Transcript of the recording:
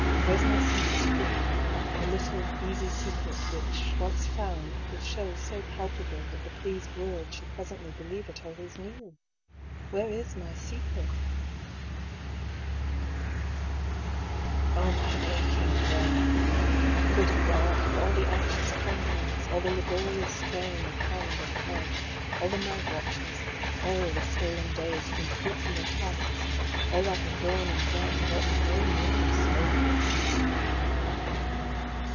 Where's my secret hid, the little easy secret which, once found, will shew so palpable that the pleased world shall presently believe it always knew? Where is my secret ? Oh, my aching brain ! Good God, have all the anxious ponderings, all the laborious strain of hand and head, all the night watches, all the stolen days from fruitfuller tasks, all I have borne and done, brought me no nearer solving?